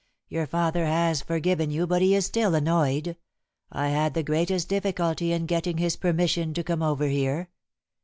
"Your father has forgiven you, but he is still annoyed. I had the greatest difficulty in getting his permission to come over here."